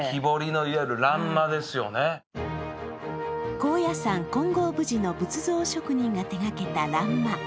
高野山金剛峯寺の仏像職人が手がけた欄間。